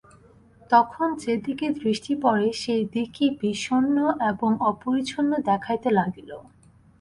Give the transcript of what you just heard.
তখন যে দিকে দৃষ্টি পড়ে সেই দিকই বিষণ্ন এবং অপরিচ্ছন্ন দেখাইতে লাগিল।